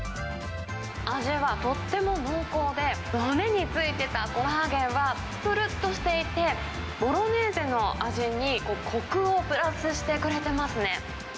味はとっても濃厚で、骨についていたコラーゲンはぷるっとしていて、ボロネーゼの味にこくをプラスしてくれてますね。